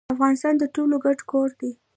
افغانستان د ټولو ګډ کور دی